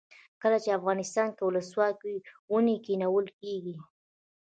کله چې افغانستان کې ولسواکي وي ونې کینول کیږي.